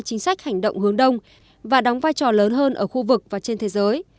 chính sách hành động hướng đông và đóng vai trò lớn hơn ở khu vực và trên thế giới